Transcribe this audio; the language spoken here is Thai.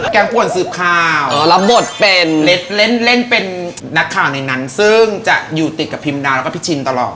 แกงป่วนสืบข้าวเล่นเป็นนักข่าวในนั้นซึ่งจะอยู่ติดกับพิมพ์ดาวน์แล้วก็พี่ชินตลอด